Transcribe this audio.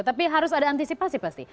tapi harus ada antisipasi pasti